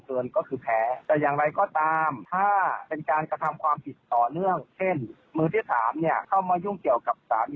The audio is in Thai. จนถึงปัจจุบันนี้เราเพิ่งมาฟ้องไม่ถือว่าขาดอายุความ